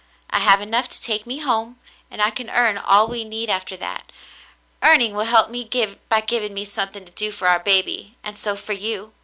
I have enough to take me home, and I can earn all we need after that. Earning will help me by giving me something to do for our baby and so for you.